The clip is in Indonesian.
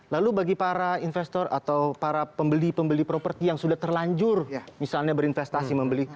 lalu bagi para investor atau para pembeli pembeli properti yang sudah terlanjur misalnya berinvestasi membeli